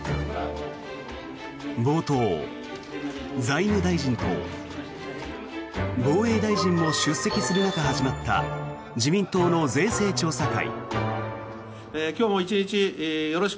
冒頭、財務大臣と防衛大臣も出席する中、始まった自民党の税制調査会。